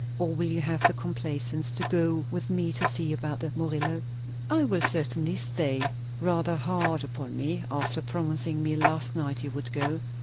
or will you have the complaisance to go with me to see about the Murillo?" "I will certainly stay." "Rather hard upon me, after promising me last night you would go."